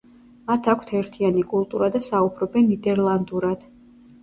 მათ აქვთ ერთიანი კულტურა და საუბრობენ ნიდერლანდურად.